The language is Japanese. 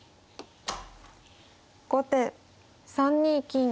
後手３二金。